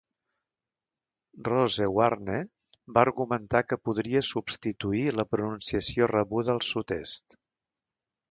Rosewarne va argumentar que podria substituir la pronunciació rebuda al sud-est.